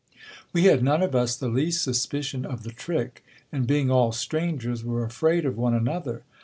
We had none of us the least suspicion of the trick, and being all strangers, were afraid of one another.